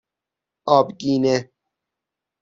آبگینه